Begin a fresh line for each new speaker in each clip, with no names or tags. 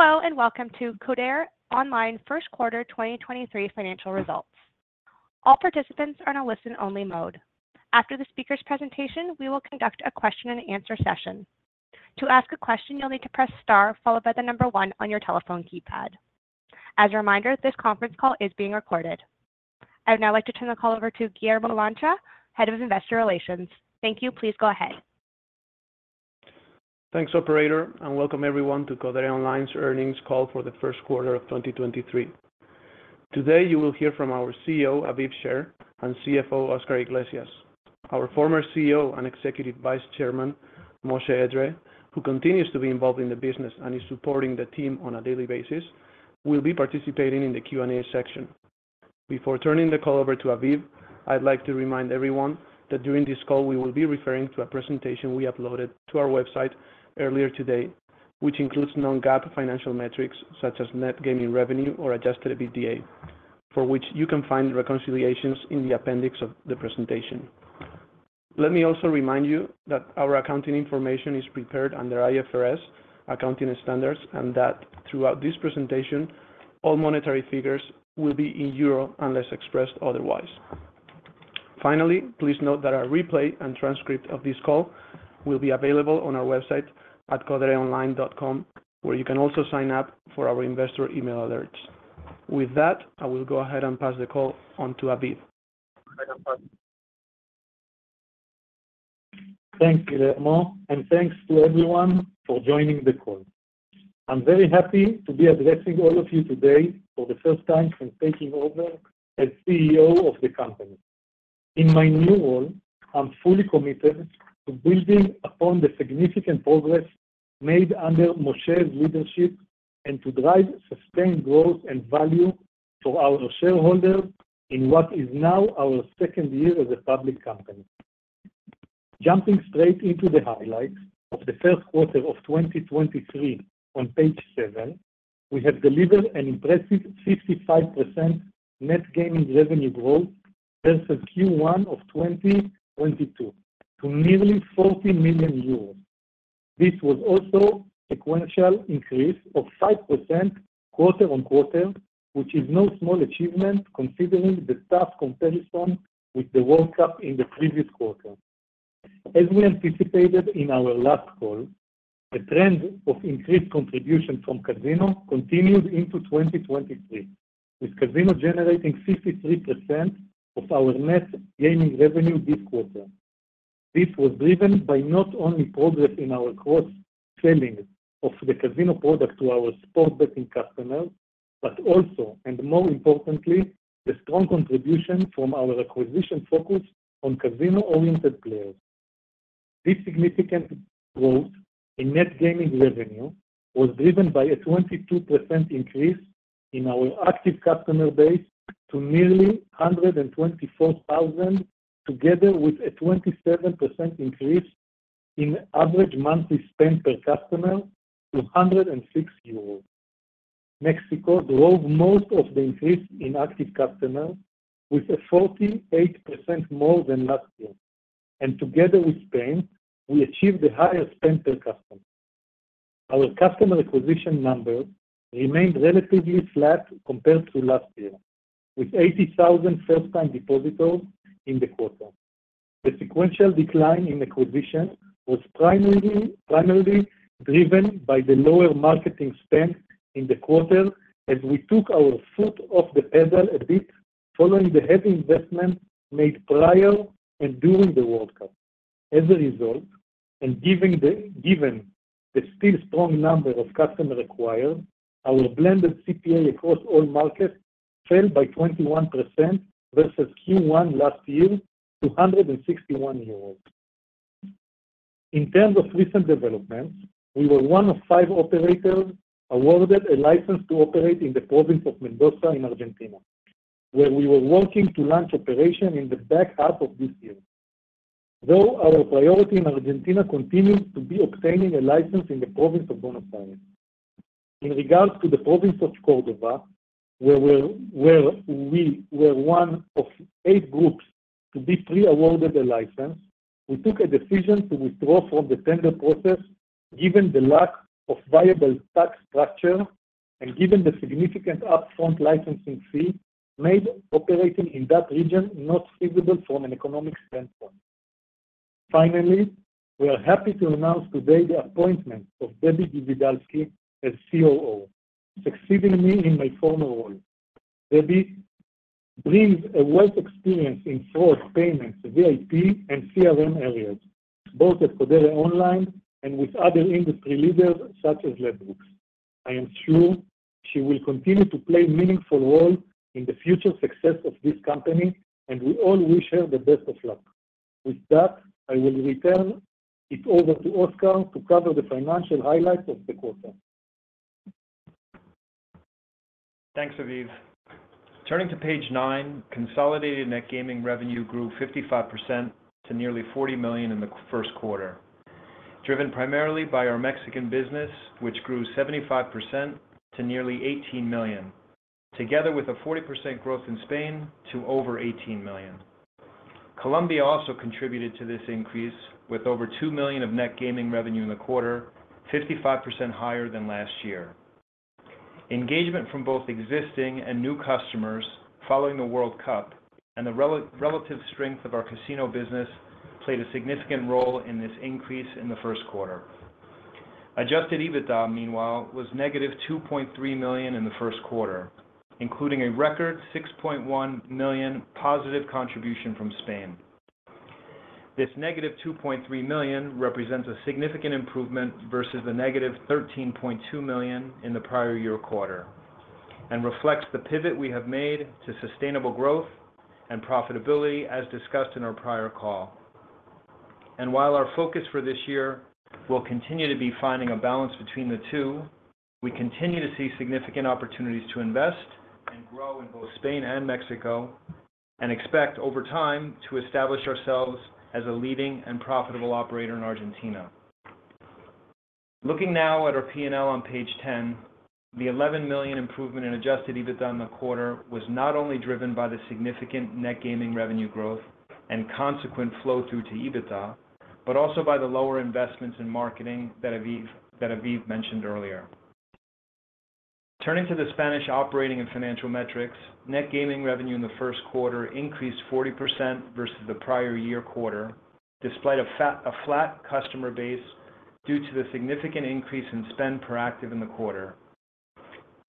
Hello, welcome to Codere Online first quarter 2023 financial results. All participants are in a listen-only mode. After the speaker's presentation, we will conduct a question and answer session. To ask a question, you'll need to press star followed by one on your telephone keypad. As a reminder, this conference call is being recorded. I'd now like to turn the call over to Guillermo Lancha, Head of Investor Relations. Thank you. Please go ahead.
Thanks, operator, welcome everyone to Codere Online's earnings call for the 1st quarter of 2023. Today, you will hear from our CEO, Aviv Sher, and CFO, Oscar Iglesias. Our former CEO and Executive Vice Chairman, Moshe Edree, who continues to be involved in the business and is supporting the team on a daily basis, will be participating in the Q&A section. Before turning the call over to Aviv, I'd like to remind everyone that during this call we will be referring to a presentation we uploaded to our website earlier today, which includes non-GAAP financial metrics such as Net Gaming Revenue or Adjusted EBITDA, for which you can find reconciliations in the appendix of the presentation. Let me also remind you that our accounting information is prepared under IFRS accounting standards, and that throughout this presentation, all monetary figures will be in euro unless expressed otherwise. Please note that our replay and transcript of this call will be available on our website at codereonline.com, where you can also sign up for our investor email alerts. I will go ahead and pass the call on to Aviv.
Thank you, Guillermo. Thanks to everyone for joining the call. I'm very happy to be addressing all of you today for the first time since taking over as CEO of the company. In my new role, I'm fully committed to building upon the significant progress made under Moshe's leadership and to drive sustained growth and value for our shareholders in what is now our second year as a public company. Jumping straight into the highlights of the first quarter of 2023 on page seven, we have delivered an impressive 55% Net Gaming Revenue growth versus Q1 of 2022 to nearly 40 million euros. This was also a sequential increase of 5% quarter-on-quarter, which is no small achievement considering the tough comparison with the World Cup in the previous quarter. As we anticipated in our last call, a trend of increased contribution from casino continued into 2023, with casino generating 53% of our Net Gaming Revenue this quarter. This was driven by not only progress in our cross-selling of the casino product to our sports betting customers, but also, and more importantly, the strong contribution from our acquisition focus on casino-oriented players. This significant growth in Net Gaming Revenue was driven by a 22% increase in our active customer base to nearly 124,000, together with a 27% increase in average monthly spend per customer to 106 euros. Mexico drove most of the increase in active customers with a 48% more than last year. Together with Spain, we achieved the highest spend per customer. Our customer acquisition numbers remained relatively flat compared to last year, with 80,000 first-time depositors in the quarter. The sequential decline in acquisition was primarily driven by the lower marketing spend in the quarter as we took our foot off the pedal a bit following the heavy investment made prior and during the World Cup. As a result, and given the still strong number of customers acquired, our blended CPA across all markets fell by 21% versus Q1 last year to 161. In terms of recent developments, we were one of five operators awarded a license to operate in the province of Mendoza in Argentina, where we were working to launch operation in the back half of this year. Though our priority in Argentina continues to be obtaining a license in the province of Buenos Aires. In regards to the province of Córdoba, where we were one of eight groups to be pre-awarded a license, we took a decision to withdraw from the tender process given the lack of viable tax structure and given the significant upfront licensing fee made operating in that region not feasible from an economic standpoint. Finally, we are happy to announce today the appointment of Deborah Guivisdalsky as COO, succeeding me in my former role. Debbie brings a wealth experience in fraud, payments, VIP, and CRM areas, both at Codere Online and with other industry leaders such as Ladbrokes. I am sure she will continue to play a meaningful role in the future success of this company. We all wish her the best of luck. With that, I will return it over to Oscar to cover the financial highlights of the quarter.
Thanks, Aviv. Turning to page 9, consolidated Net Gaming Revenue grew 55% to nearly 40 million in the first quarter, driven primarily by our Mexican business, which grew 75% to nearly 18 million, together with a 40% growth in Spain to over 18 million. Colombia also contributed to this increase with over 2 million of Net Gaming Revenue in the quarter, 55% higher than last year. Engagement from both existing and new customers following the World Cup and the relative strength of our casino business played a significant role in this increase in the first quarter. Adjusted EBITDA, meanwhile, was negative 2.3 million in the first quarter, including a record 6.1 million positive contribution from Spain. This negative 2.3 million represents a significant improvement versus the negative 13.2 million in the prior year quarter and reflects the pivot we have made to sustainable growth and profitability as discussed in our prior call. While our focus for this year will continue to be finding a balance between the two, we continue to see significant opportunities to invest and grow in both Spain and Mexico and expect over time to establish ourselves as a leading and profitable operator in Argentina. Looking now at our P&L on page 10, the 11 million improvement in Adjusted EBITDA in the quarter was not only driven by the significant Net Gaming Revenue growth and consequent flow through to EBITDA, but also by the lower investments in marketing that Aviv mentioned earlier. Turning to the Spanish operating and financial metrics, Net Gaming Revenue in the first quarter increased 40% versus the prior year quarter, despite a flat customer base due to the significant increase in spend per active in the quarter.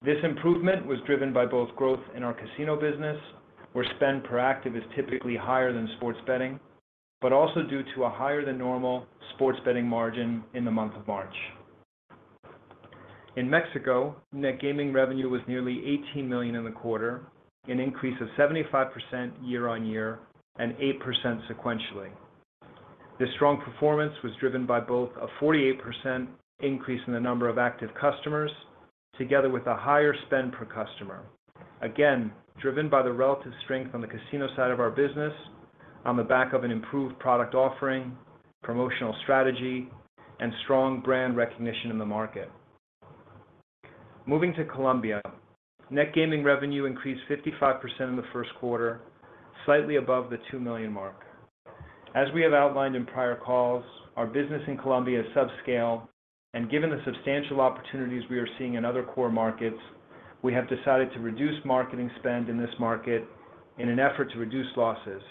This improvement was driven by both growth in our casino business, where spend per active is typically higher than sports betting, but also due to a higher than normal sports betting margin in the month of March. In Mexico, Net Gaming Revenue was nearly 18 million in the quarter, an increase of 75% year-on-year and 8% sequentially. This strong performance was driven by both a 48% increase in the number of active customers together with a higher spend per customer. Again, driven by the relative strength on the casino side of our business on the back of an improved product offering, promotional strategy, and strong brand recognition in the market. Moving to Colombia, Net Gaming Revenue increased 55% in the first quarter, slightly above the 2 million mark. As we have outlined in prior calls, our business in Colombia is subscale, and given the substantial opportunities we are seeing in other core markets, we have decided to reduce marketing spend in this market in an effort to reduce losses.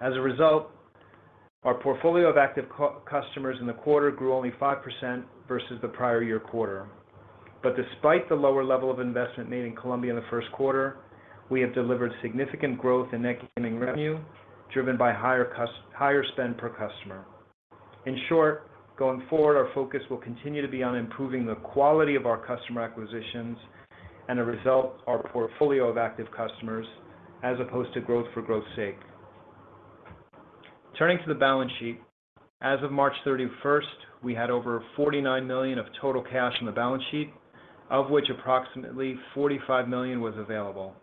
As a result, our portfolio of active customers in the quarter grew only 5% versus the prior year quarter. Despite the lower level of investment made in Colombia in the first quarter, we have delivered significant growth in Net Gaming Revenue, driven by higher spend per customer. In short, going forward, our focus will continue to be on improving the quality of our customer acquisitions and the result, our portfolio of active customers as opposed to growth for growth's sake. Turning to the balance sheet, as of March 31st, we had over 49 million of total cash on the balance sheet, of which approximately 45 million was available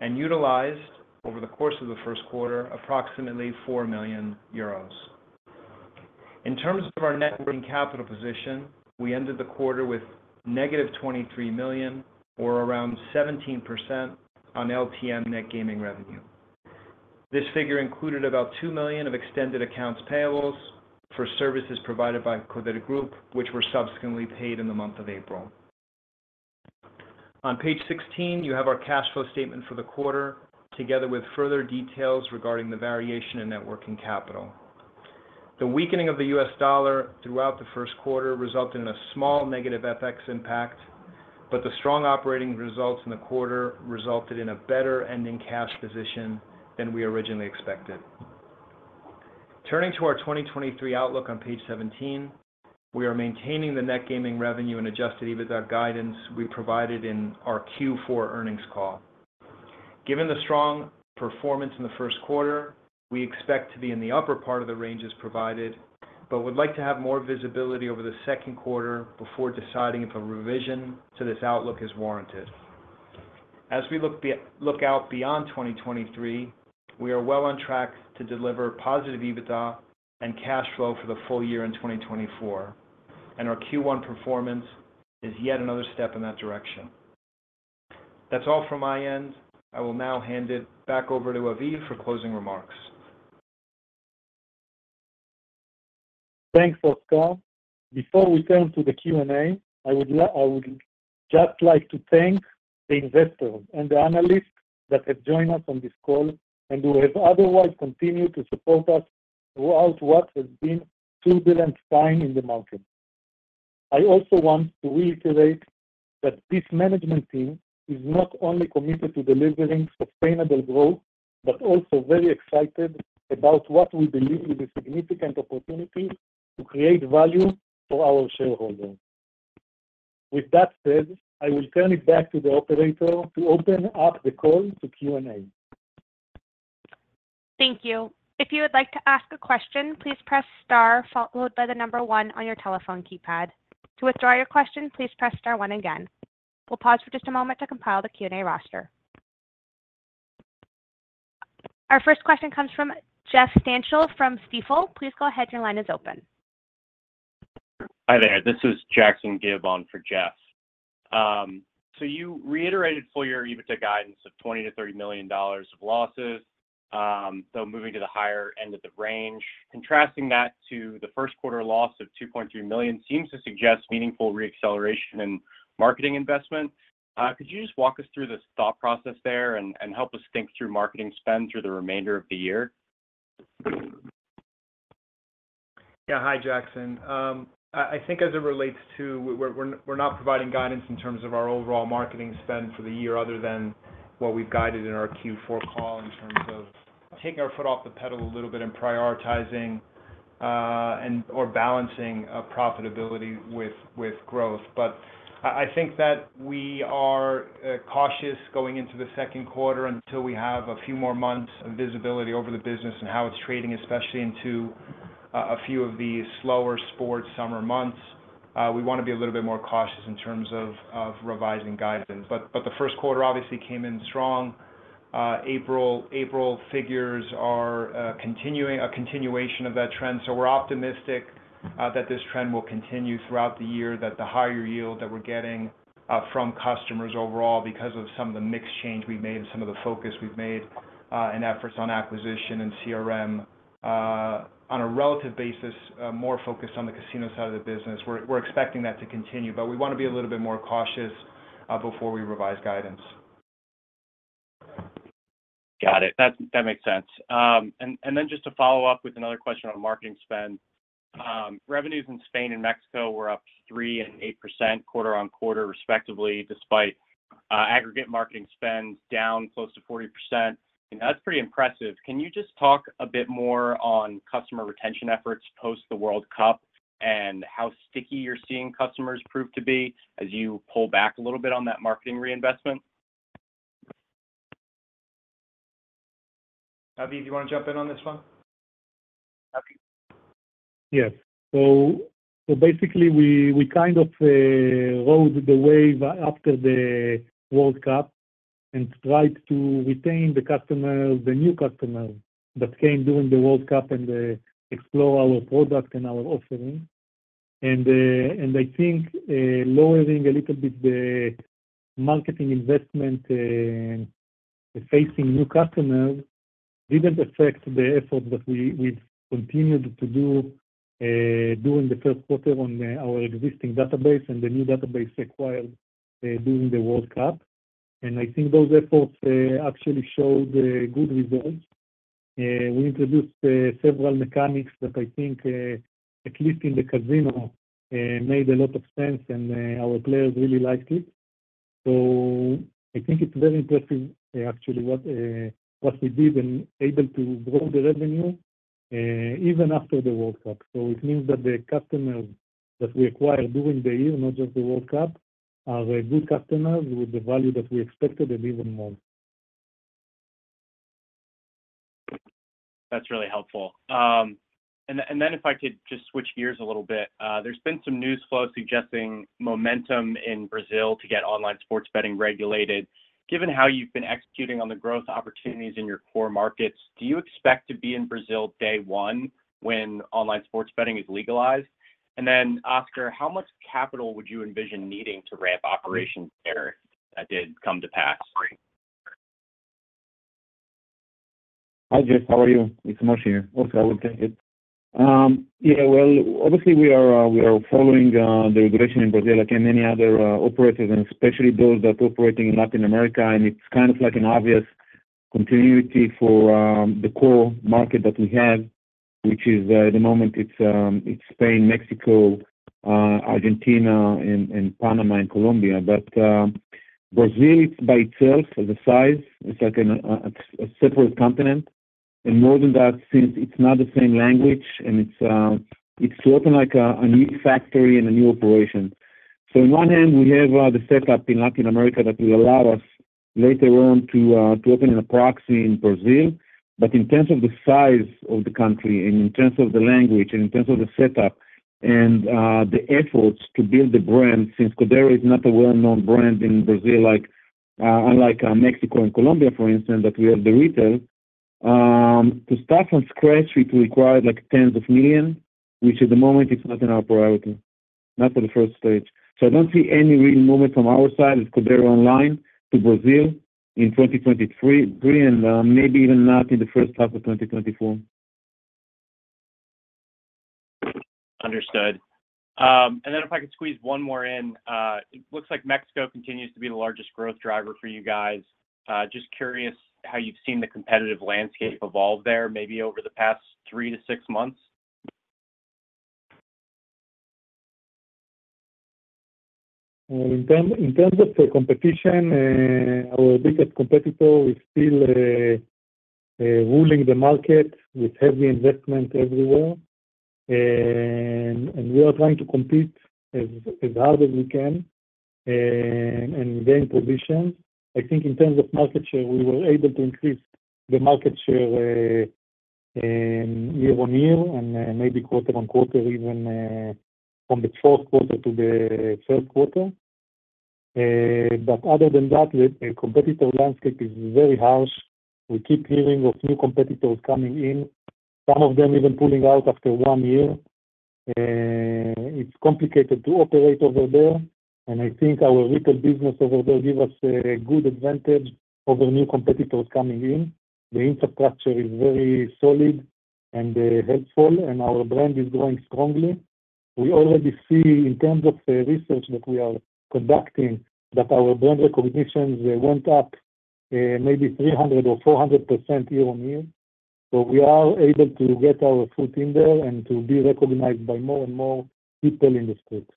and utilized over the course of the first quarter, approximately 4 million euros. In terms of our net working capital position, we ended the quarter with negative 23 million or around 17% on LTM Net Gaming Revenue. This figure included about 2 million of extended accounts payables for services provided by Codere Group, which were subsequently paid in the month of April. On page 16, you have our cash flow statement for the quarter, together with further details regarding the variation in net working capital. The weakening of the U.S. dollar throughout the first quarter resulted in a small negative FX impact, the strong operating results in the quarter resulted in a better ending cash position than we originally expected. Turning to our 2023 outlook on page 17, we are maintaining the Net Gaming Revenue and Adjusted EBITDA guidance we provided in our Q four earnings call. Given the strong performance in the first quarter, we expect to be in the upper part of the ranges provided, would like to have more visibility over the second quarter before deciding if a revision to this outlook is warranted. As we look out beyond 2023, we are well on track to deliver positive EBITDA and cash flow for the full year in 2024, our Q one performance is yet another step in that direction. That's all from my end. I will now hand it back over to Aviv for closing remarks.
Thanks, Oscar. Before we turn to the Q&A, I would just like to thank the investors and the analysts that have joined us on this call and who have otherwise continued to support us throughout what has been turbulent time in the market. I also want to reiterate that this management team is not only committed to delivering sustainable growth, but also very excited about what we believe is a significant opportunity to create value for our shareholders. With that said, I will turn it back to the operator to open up the call to Q&A.
Thank you. If you would like to ask a question, please press star followed by one on your telephone keypad. To withdraw your question, please press star 1 again. We'll pause for just a moment to compile the Q&A roster. Our first question comes from Jeffrey Stantial from Stifel. Please go ahead, your line is open.
Hi there. This is Jackson Gibb on for Jeff. You reiterated full year EBITDA guidance of EUR 20 million-EUR 30 million of losses, though moving to the higher end of the range. Contrasting that to the first quarter loss of 2.3 million seems to suggest meaningful re-acceleration in marketing investment. Could you just walk us through the thought process there and help us think through marketing spend through the remainder of the year?
Yeah. Hi, Jackson. I think as it relates to we're not providing guidance in terms of our overall marketing spend for the year other than what we've guided in our Q4 call in terms of taking our foot off the pedal a little bit or balancing profitability with growth. I think that we are cautious going into the second quarter until we have a few more months of visibility over the business and how it's trading, especially into a few of the slower sports summer months. We wanna be a little bit more cautious in terms of revising guidance. The first quarter obviously came in strong. April figures are continuing, a continuation of that trend. We're optimistic that this trend will continue throughout the year, that the higher yield that we're getting from customers overall because of some of the mix change we've made and some of the focus we've made in efforts on acquisition and CRM on a relative basis more focused on the casino side of the business. We're expecting that to continue. We wanna be a little bit more cautious before we revise guidance.
Got it. That makes sense. Then just to follow up with another question on marketing spend. Revenues in Spain and Mexico were up 3% and 8% quarter-on-quarter respectively, despite aggregate marketing spends down close to 40%. That's pretty impressive. Can you just talk a bit more on customer retention efforts post the World Cup and how sticky you're seeing customers prove to be as you pull back a little bit on that marketing reinvestment?
Avi, do you wanna jump in on this one? Avi?
Yes. Basically, we kind of rode the wave after the World Cup and tried to retain the customers, the new customers that came during the World Cup and explore our product and our offering. I think lowering a little bit the marketing investment facing new customers didn't affect the effort that we've continued to do during the first quarter on our existing database and the new database acquired during the World Cup. I think those efforts actually showed good results. We introduced several mechanics that I think, at least in the casino, made a lot of sense and our players really liked it. I think it's very interesting actually what we did and able to grow the revenue even after the World Cup. It means that the customers that we acquired during the year, not just the World Cup, are a good customer with the value that we expected and even more.
That's really helpful. Then if I could just switch gears a little bit. There's been some news flow suggesting momentum in Brazil to get online sports betting regulated. Given how you've been executing on the growth opportunities in your core markets, do you expect to be in Brazil day one when online sports betting is legalized? Oscar, how much capital would you envision needing to ramp operations there that did come to pass?
Hi, Jeff. How are you? It's Moshe here. Oscar, we'll take it. Yeah, well, obviously, we are following the regulation in Brazil like any other operators, and especially those that are operating in Latin America, and it's kind of like an obvious continuity for the core market that we have, which is at the moment it's Spain, Mexico, Argentina and Panama and Colombia. Brazil, it's by itself. The size is like an a separate continent. More than that, since it's not the same language and it's to open like a new factory and a new operation. On one hand, we have the setup in Latin America that will allow us later on to open in a proxy in Brazil. In terms of the size of the country and in terms of the language, in terms of the setup and the efforts to build the brand since Codere is not a well-known brand in Brazil like, unlike Mexico and Colombia, for instance, that we have the retail. To start from scratch, it will require like EUR tens of millions, which at the moment is not in our priority, not for the first stage. I don't see any real movement from our side at Codere Online to Brazil in 2023, and maybe even not in the first half of 2024.
Understood. If I could squeeze one more in. It looks like Mexico continues to be the largest growth driver for you guys. Just curious how you've seen the competitive landscape evolve there, maybe over the past three-six months?
In terms of the competition, our biggest competitor is still ruling the market with heavy investment everywhere. We are trying to compete as hard as we can and gain position. I think in terms of market share, we were able to increase the market share year-on-year and maybe quarter-on-quarter even from the fourth quarter to the first quarter. Other than that, the competitive landscape is very harsh. We keep hearing of new competitors coming in, some of them even pulling out after one year. It's complicated to operate over there, and I think our retail business over there give us a good advantage over new competitors coming in. The infrastructure is very solid and helpful, and our brand is growing strongly. We already see in terms of the research that we are conducting that our brand recognitions, they went up, maybe 300% or 400% year-over-year. We are able to get our foot in there and to be recognized by more and more people in the street.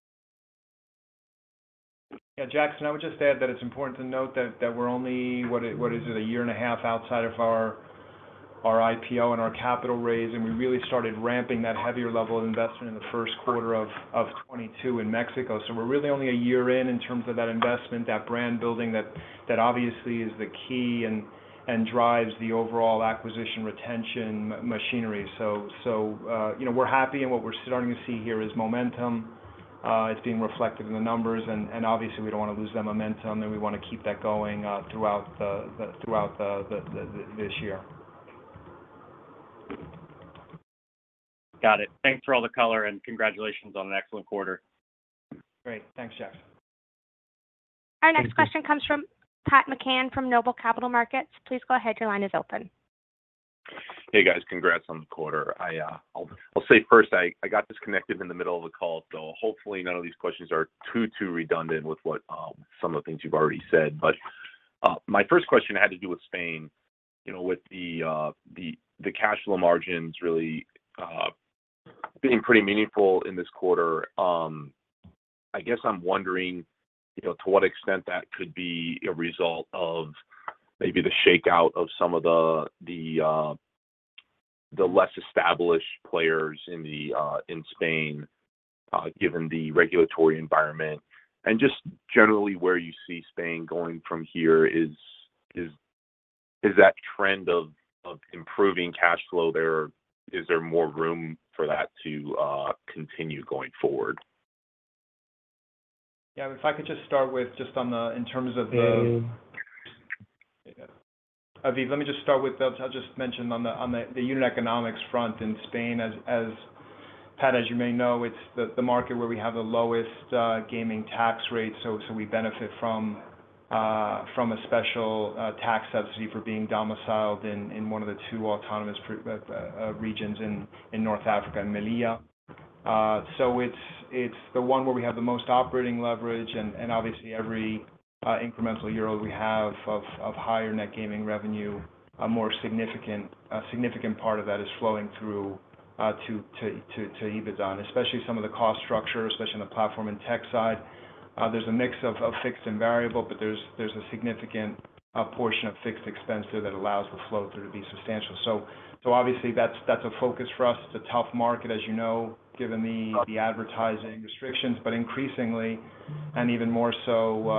Jackson, I would just add that it's important to note that we're only a year and a half outside of our IPO and our capital raise, and we really started ramping that heavier level of investment in the first quarter of 2022 in Mexico. We're really only one year in in terms of that investment, that brand building that obviously is the key and drives the overall acquisition retention machinery. You know, we're happy and what we're starting to see here is momentum. It's being reflected in the numbers and obviously we don't wanna lose that momentum, and we wanna keep that going throughout this year.
Got it. Thanks for all the color and congratulations on an excellent quarter.
Great. Thanks, Jeff.
Our next question comes from Patrick McCann from Noble Capital Markets. Please go ahead. Your line is open.
Hey guys, congrats on the quarter. I'll say first I got disconnected in the middle of the call, so hopefully none of these questions are too redundant with what some of the things you've already said. My first question had to do with Spain, you know, with the cash flow margins really being pretty meaningful in this quarter. I guess I'm wondering, you know, to what extent that could be a result of maybe the shakeout of some of the less established players in Spain, given the regulatory environment. Just generally where you see Spain going from here, is that trend of improving cash flow there, is there more room for that to continue going forward?
Yeah. If I could just start with on the.
Yeah.
Aviv, let me just start with. I'll just mention the unit economics front in Spain as Pat as you may know, it's the market where we have the lowest gaming tax rate. We benefit from a special tax subsidy for being domiciled in one of the two autonomous regions in North Africa in Melilla. It's the one where we have the most operating leverage and obviously every incremental euro we have of higher Net Gaming Revenue, a significant part of that is flowing through to EBITDA, especially some of the cost structure, especially on the platform and tech side. There's a mix of fixed and variable, but there's a significant portion of fixed expense there that allows the flow through to be substantial. Obviously that's a focus for us. It's a tough market, as you know.
Okay...
the advertising restrictions. Increasingly, and even more so,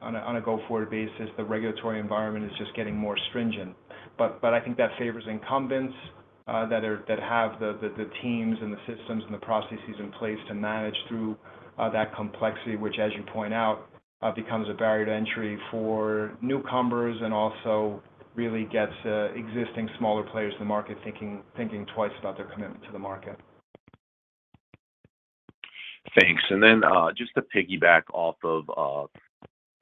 on a go forward basis, the regulatory environment is just getting more stringent. I think that favors incumbents that are, that have the teams and the systems and the processes in place to manage through that complexity which as you point out, becomes a barrier to entry for newcomers and also really gets existing smaller players in the market thinking twice about their commitment to the market.
Thanks. Just to piggyback off of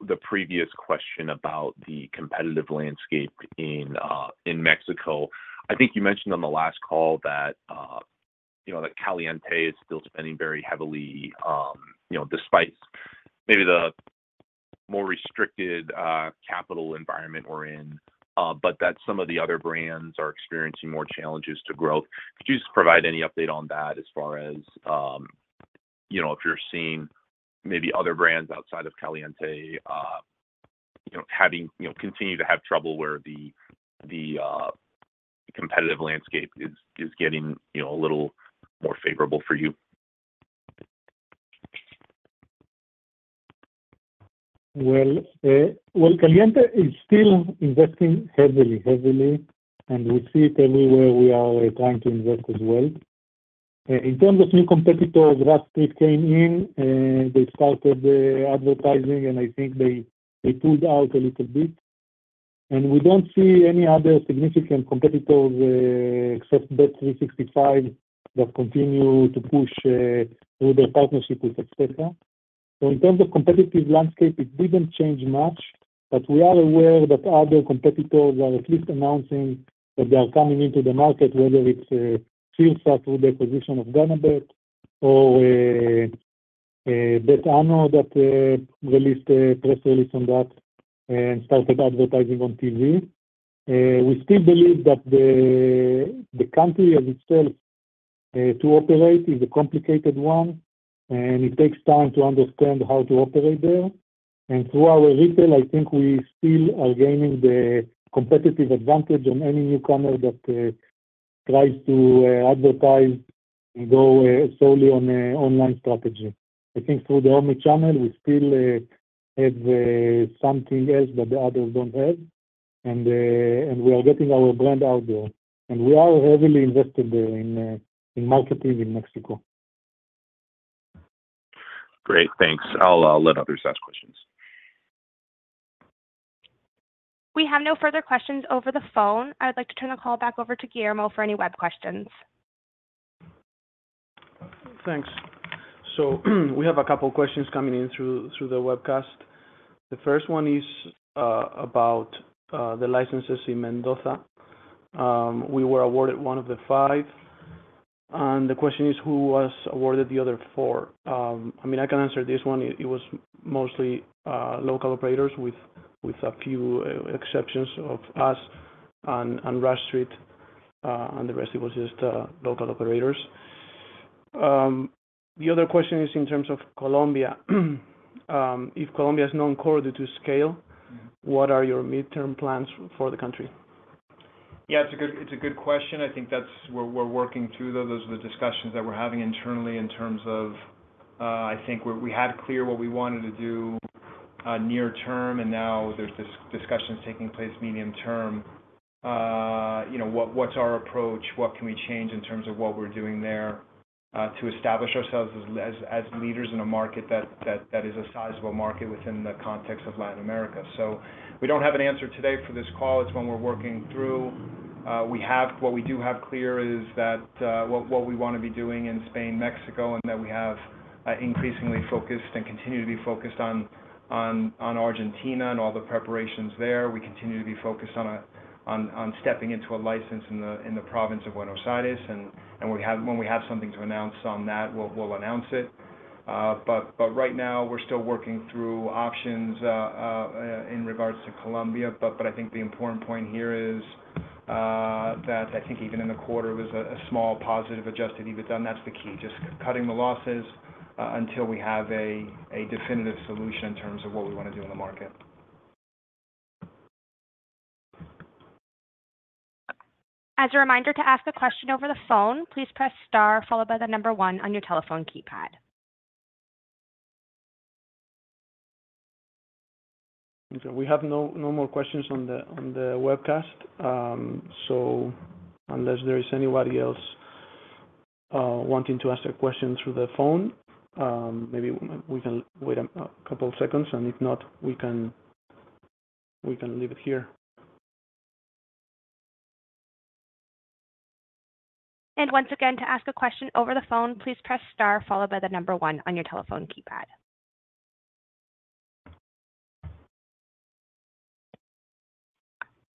the previous question about the competitive landscape in Mexico. I think you mentioned on the last call that, you know, that Caliente is still spending very heavily, you know, despite maybe the more restricted capital environment we're in, but that some of the other brands are experiencing more challenges to growth. Could you just provide any update on that as far as, you know, if you're seeing maybe other brands outside of Caliente, you know, having, you know, continue to have trouble where the competitive landscape is getting, you know, a little more favorable for you?
Well, Caliente is still investing heavily, we see it everywhere we are trying to invest as well. In terms of new competitors, Rush Street Interactive came in and they started advertising and I think they pulled out a little bit. We don't see any other significant competitors, except bet365 that continue to push through their partnership with TV Azteca. In terms of competitive landscape, it didn't change much, but we are aware that other competitors are at least announcing that they are coming into the market, whether it's CIRSA through their acquisition of Ganabet or Betano that released a press release on that and started advertising on TV. We still believe that the country as itself to operate is a complicated one and it takes time to understand how to operate there. Through our retail, I think we still are gaining the competitive advantage on any newcomer that tries to advertise and go solely on an online strategy. I think through the omi channel we still have something else that the others don't have.
We are getting our brand out there. We are heavily invested there in marketing in Mexico.
Great. Thanks. I'll let others ask questions.
We have no further questions over the phone. I would like to turn the call back over to Guillermo for any web questions.
Thanks. We have a couple questions coming in through the webcast. The first one is about the licenses in Mendoza. We were awarded one of the five, and the question is who was awarded the other four? I mean, I can answer this one. It was mostly local operators with a few exceptions of us and Rush Street. The rest, it was just local operators. The other question is in terms of Colombia. If Colombia is non-core due to scale, what are your midterm plans for the country?
Yeah, it's a good, it's a good question. I think that's where we're working through, though. Those are the discussions that we're having internally in terms of, I think we had clear what we wanted to do near term, and now there's discussions taking place medium term. You know, what's our approach? What can we change in terms of what we're doing there to establish ourselves as leaders in a market that is a sizable market within the context of Latin America. We don't have an answer today for this call. It's one we're working through. What we do have clear is that what we wanna be doing in Spain, Mexico, and that we have increasingly focused and continue to be focused on Argentina and all the preparations there. We continue to be focused on stepping into a license in the province of Buenos Aires. And when we have something to announce on that, we'll announce it. But right now we're still working through options in regards to Colombia. But I think the important point here is that I think even in the quarter was a small positive Adjusted EBITDA, and that's the key. Just cutting the losses until we have a definitive solution in terms of what we wanna do in the market.
As a reminder, to ask a question over the phone, please press star followed by the one on your telephone keypad.
Okay. We have no more questions on the webcast. Unless there is anybody else, wanting to ask a question through the phone, maybe we can wait a couple seconds, and if not, we can leave it here.
Once again, to ask a question over the phone, please press star followed by one on your telephone keypad.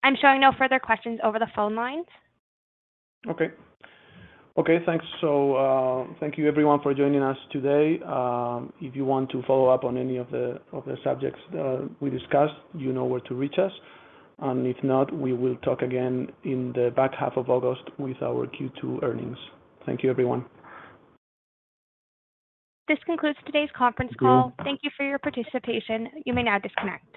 I'm showing no further questions over the phone lines.
Okay. Okay, thanks. Thank you everyone for joining us today. If you want to follow up on any of the, of the subjects that we discussed, you know where to reach us, if not, we will talk again in the back half of August with our Q2 earnings. Thank you, everyone.
This concludes today's conference call.
Thank you.
Thank you for your participation. You may now disconnect.